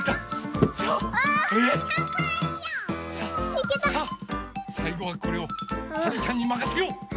さあさいごはこれをはるちゃんにまかせよう！